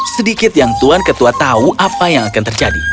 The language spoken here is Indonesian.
sedikit yang tuan ketua tahu apa yang akan terjadi